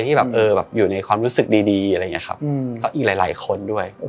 ที่แบบอยู่ในความรู้สึกดีอะไรอย่างนี้ครับก็อีกหลายคนด้วย